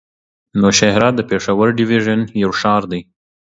نوشهره د پېښور ډويژن يو ښار دی.